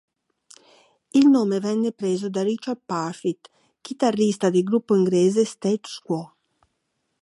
Il nome venne preso da Richard Parfitt, chitarrista del gruppo inglese Status Quo.